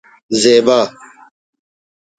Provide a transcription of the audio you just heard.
زیبا